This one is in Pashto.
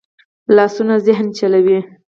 لاسونه ذهن چلوي